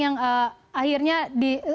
yang akhirnya di